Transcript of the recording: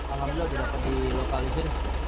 alhamdulillah kita bisa dilokalisir